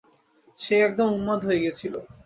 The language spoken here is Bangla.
সে একদম উন্মাদ হয়ে গেছিল।